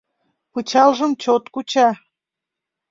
Пычалжым чот куча: